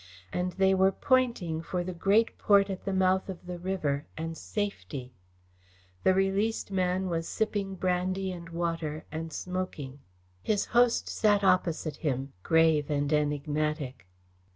And they were pointing for the great port at the mouth of the river, and safety. The released man was sipping brandy and water, and smoking. His host sat opposite him, grave and enigmatic.